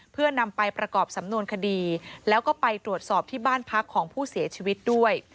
เพื่อนำไปประกอบสำนวนคดีแล้วก็ไปตรวจสอบที่บ้านพักของผู้เสียชีวิตด้วย